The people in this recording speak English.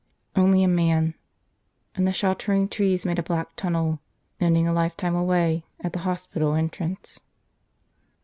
Only a man. And the sheltering trees made a black tunnel ending a lifetime away at the hospital entrance.